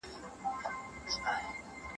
صلاح باید په حکيمانه او مؤدبه توګه وي.